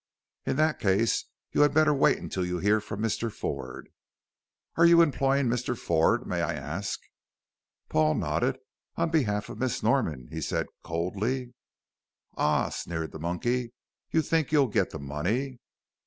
"In that case you had better wait till you hear from Mr. Ford." "Are you employing Mr. Ford, may I ask?" Paul nodded. "On behalf of Miss Norman," said he, coldly. "Ah," sneered the monkey, "you think you'll get the money."